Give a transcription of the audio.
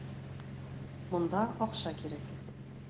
Монда акча кирәк